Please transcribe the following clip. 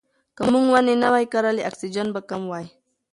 که موږ ونې نه وای کرلې اکسیجن به کم وای.